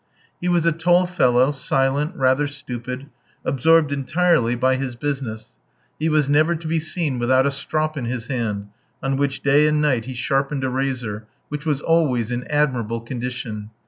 He was a tall fellow, silent, rather stupid, absorbed entirely by his business; he was never to be seen without a strop in his hand, on which day and night he sharpened a razor, which was always in admirable condition.